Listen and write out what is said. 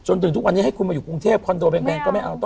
จนถึงทุกวันนี้ให้คุณมาอยู่กรุงเทพคอนโดแพงก็ไม่เอาต่อ